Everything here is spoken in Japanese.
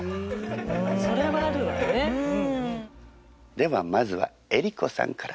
ではまずは江里子さんから。